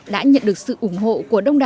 đã nhận được sự ủng hộ của đồng chí